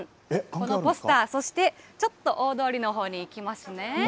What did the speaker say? このポスター、そしてちょっと大通りのほうに行きますね。